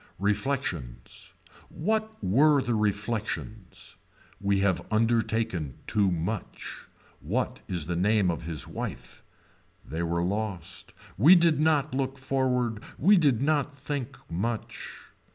Reflections. What were the reflections. Have we undertaken too much. What is the name of his wife. They were lost. We did not look forward. We did not think much.